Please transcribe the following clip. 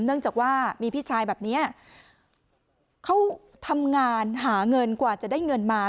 เนื่องจากว่ามีพี่ชายแบบนี้เขาทำงานหาเงินกว่าจะได้เงินมา